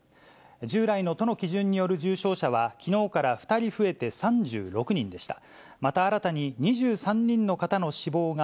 従来の都の基準による重症者はきのうから２人増えて３６人でした。